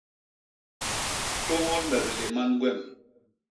Tôñôl me biléman gwem.